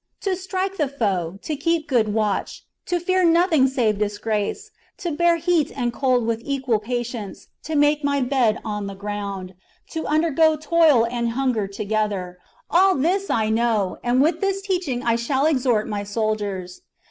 To strike the foe, to keep good watch, to fear nothing save disgrace, to bear heat and cold with equal patience, to make my bed on the ground, to undergo toil and hunger together, all this I know, and with this teaching I shall exhort my soldiers.